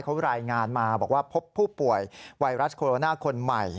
เขารายงานมาบอกว่าพบผู้ป่วยไวรัสโคโรนาคนใหม่